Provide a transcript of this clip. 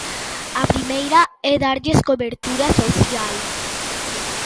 A primeira é darlles cobertura social.